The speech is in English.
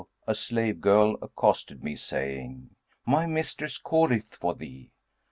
a slave girl accosted me saying, 'My mistress calleth for thee.'